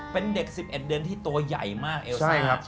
ซึ๊บแยะเดิ้ลที่ตัวใหญ่มากเอลซี